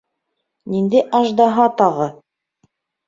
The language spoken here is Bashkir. Ниндәй аждаһа тағы!